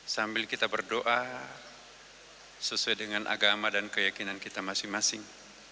sambil kita berdoa sesuai dengan agama dan keyakinan kita masing masing